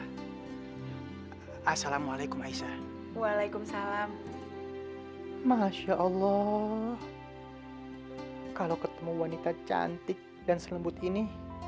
hai assalamualaikum aisyah waalaikumsalam hai masya allah s enhancing hai kalau ketemu wanita cantik dan selembut ini